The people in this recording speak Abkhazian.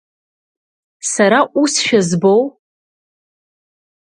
Сара усшәа збоу?